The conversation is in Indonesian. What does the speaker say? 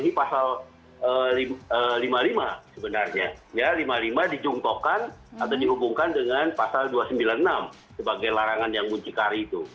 jadi dia juga memenuhi pasal lima puluh lima sebenarnya ya lima puluh lima dijungtokkan atau dihubungkan dengan pasal dua ratus sembilan puluh enam sebagai larangan yang muncikari itu